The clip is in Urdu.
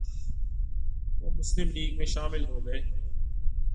وہ مسلم لیگ میں شامل ہوگئے